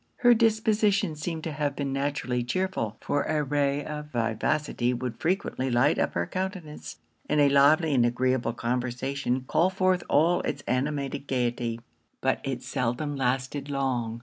Her disposition seemed to have been naturally chearful; for a ray of vivacity would frequently light up her countenance, and a lively and agreeable conversation call forth all its animated gaiety. But it seldom lasted long.